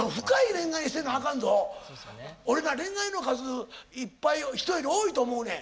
俺な恋愛の数いっぱい人より多いと思うねん。